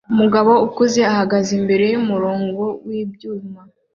Umugabo ukuze ahagaze imbere yumurongo wibyuma